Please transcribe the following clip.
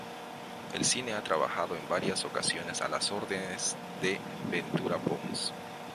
En cine ha trabajado en varias ocasiones a las órdenes de Ventura Pons.